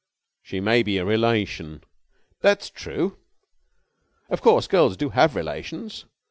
"She may be a relation." "That's true. Of course, girls do have relations."